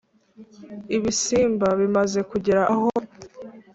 ibisimba bimaze kugera aho,